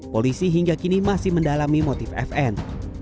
polisi hingga kini masih mendalami motif fn